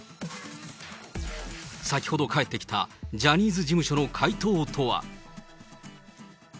先ほど返ってきたジャニーズ事務所の回答とは。